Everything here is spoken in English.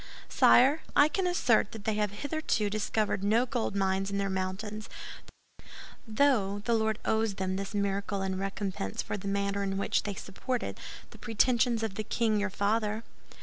"Sire, I can assert that they have hitherto discovered no gold mines in their mountains; though the Lord owes them this miracle in recompense for the manner in which they supported the pretensions of the king your father."